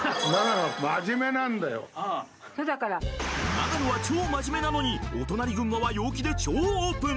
長野は超真面目なのにお隣群馬は陽気で超オープン！？